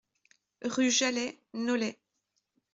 Rue Jalhay, Nolay